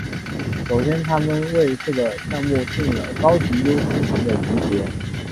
首先他们为这个项目订了高级优先权的级别。